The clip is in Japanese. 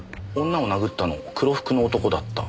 「女を殴ったの黒服の男だった」